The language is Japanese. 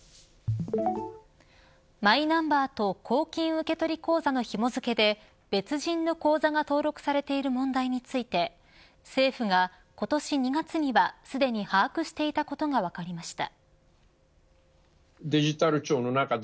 マイナンバーと公金受取口座のひも付けで別人の口座が登録されている問題について政府が今年２月にはすでに把握していたことが分かりました。